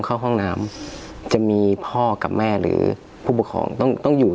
เข้าห้องน้ำจะมีพ่อกับแม่หรือผู้ปกครองต้องต้องอยู่